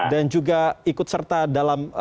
dan juga ikut serta dalam